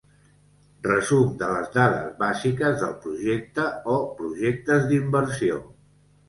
Resum de les dades bàsiques del projecte o projectes d'inversió.